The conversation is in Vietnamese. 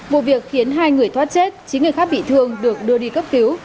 vụ việc khiến hai người thoát chết chín người khác bị thương được đưa đi cấp cứu